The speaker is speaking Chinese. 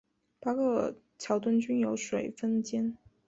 八个桥墩均有分水尖。